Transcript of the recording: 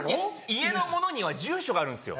家のものには住所があるんですよ。